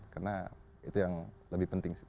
karena itu yang lebih penting